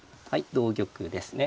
同玉ですね。